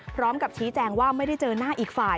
พร้อมกับชี้แจงว่าไม่ได้เจอหน้าอีกฝ่าย